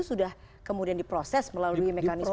sudah kemudian diproses melalui mekanisme hukum yang berat